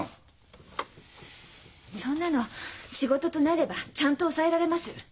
そんなの仕事となればちゃんと抑えられます。